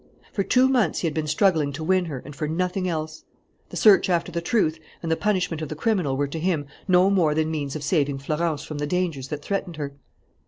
For two months he had been struggling to win her and for nothing else. The search after the truth and the punishment of the criminal were to him no more than means of saving Florence from the dangers that threatened her.